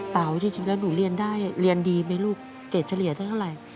เปล่าจริงแล้วหนูเรียนได้เรียนดีมั้ยลูก๗๐ได้เท่าไหร่